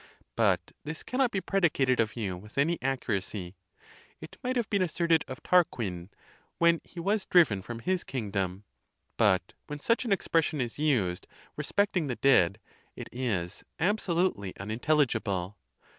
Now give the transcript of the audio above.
But this cannot be predicated of you with any accuracy: it might have been asserted of Tarquin, when he was driven from his kingdom. But when such an expression is used re specting the dead, it is absolutely unintelligible.